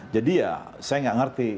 jadi ya saya gak ngerti